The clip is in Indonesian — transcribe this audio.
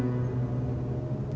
aku percaya aku perhiasan